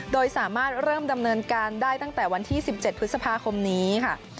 โดยสามารถเริ่มดำเนินการได้ตั้งแต่วันที่๑๗พฤษภาคมนี้ค่ะ